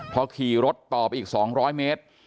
พอขี่รถต่อไปอีกสองร้อยเมตร